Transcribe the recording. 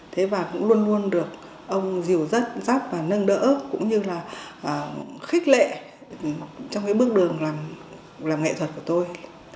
thế và cũng luôn luôn được ông diều dắt dắp và nâng đỡ cũng như là khích lệ trong cái bước đường làm nghệ thuật của tôi